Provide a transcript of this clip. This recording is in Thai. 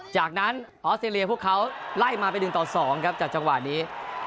จากนั้นออสเตรเลียพวกเขาไล่มาไป๑ต่อ๒ครับจากจังหวะนี้